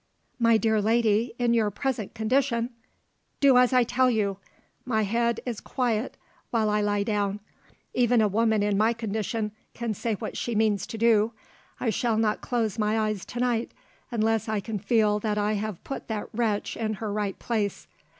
"My dear lady, in your present condition " "Do as I tell you! My head is quiet while I lie down. Even a woman in my condition can say what she means to do. I shall not close my eyes tonight, unless I can feel that I have put that wretch in her right place.